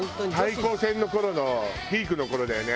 対抗戦の頃のピークの頃だよね。